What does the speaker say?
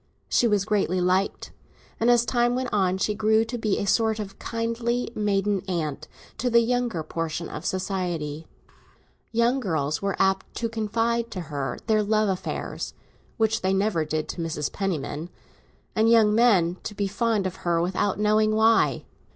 She was greatly liked, and as time went on she grew to be a sort of kindly maiden aunt to the younger portion of society. Young girls were apt to confide to her their love affairs (which they never did to Mrs. Penniman), and young men to be fond of her without knowing why.